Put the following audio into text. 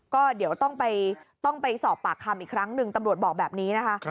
ก็เดี๋ยวต้องไปสอบปากคำอีกครั้งหนึ่งตำรวจบอกแบบนี้นะคะ